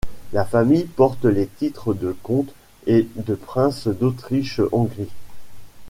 La famille porte les titres de comte et de prince d'Autriche-Hongrie.